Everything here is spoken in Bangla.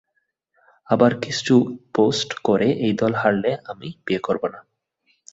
আবার কিছু পোস্ট করে এই দল হারলে আমি বিয়ে করব না।